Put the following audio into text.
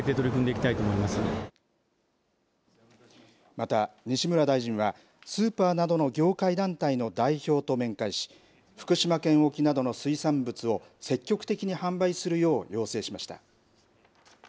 また西村大臣は、スーパーなどの業界団体の代表と面会し、福島県沖などの水産物を積極的に販売するよう要請しました。